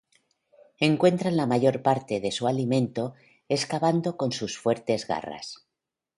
Encuentran la mayor parte de su alimento excavando con sus fuertes garras.